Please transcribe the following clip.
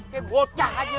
kayak gocah aja lo